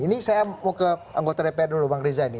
ini saya mau ke anggota dpr dulu bang riza ini